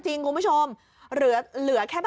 ถ้ายังตก็นี่คู่ย่ายเลยครับ